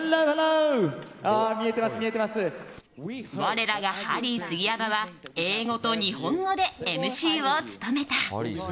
我らがハリー杉山は英語と日本語でＭＣを務めた。